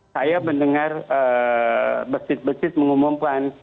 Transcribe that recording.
saya mendengar besit besit mengumumkan